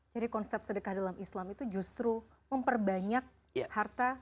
jadi konsep sedekah dalam islam itu justru memperbanyak harta